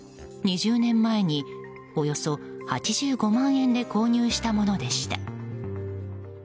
２０年前に、およそ８５万円で購入したものでした。